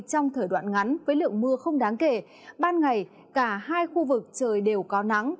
trong thời đoạn ngắn với lượng mưa không đáng kể ban ngày cả hai khu vực trời đều có nắng